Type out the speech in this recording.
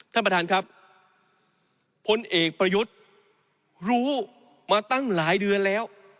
ท่านประธานครับพลเอกประยุทธ์รู้มาตั้งหลายเดือนแล้ว